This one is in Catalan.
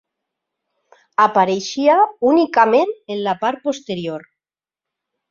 Apareixia únicament en la part posterior.